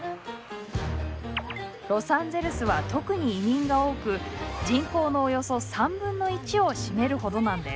ロサンゼルスは特に移民が多く人口のおよそ３分の１を占めるほどなんです。